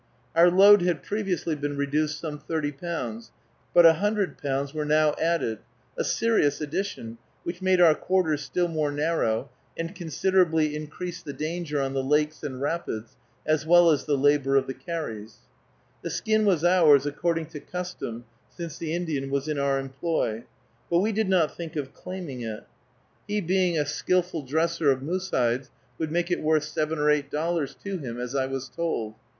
Our load had previously been reduced some thirty pounds, but a hundred pounds were now added, a serious addition, which made our quarters still more narrow, and considerably increased the danger on the lakes and rapids, as well as the labor of the carries. The skin was ours according to custom, since the Indian was in our employ, but we did not think of claiming it. He being a skillful dresser of moose hides would make it worth seven or eight dollars to him, as I was told.